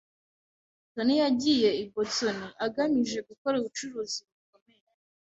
Tony yagiye i Boston agamije gukora ubucuruzi bukomeye